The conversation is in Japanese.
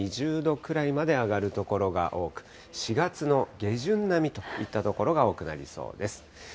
２０度くらいまで上がる所が多く、４月の下旬並みといった所が多くなりそうです。